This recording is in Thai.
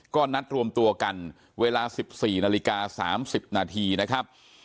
ก็นัดรวมตัวกันเวลา๑๔นาฬิกา๓๐นาทีนะครับ